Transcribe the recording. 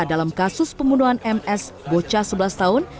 dalam kasus pembunuhan ms bocah sebelas tahun